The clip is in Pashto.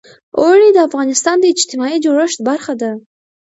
اوړي د افغانستان د اجتماعي جوړښت برخه ده.